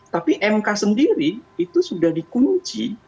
tapi mk sendiri itu sudah dikunci